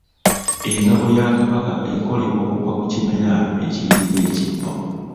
Engabo ya Kabaka ekolebwa kuva ku kimera ekiyitibwa Ekibo.